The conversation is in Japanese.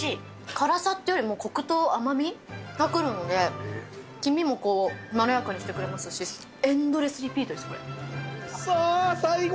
辛さっていうよりも、こくと甘みが来るので、黄身もこう、まろやかにしてくれますし、エンドレスリピートです、くそー、最後。